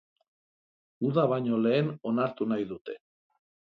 Uda baino lehen onartu nahi dute.